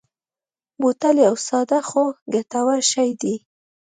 بوتل یو ساده خو ګټور شی دی.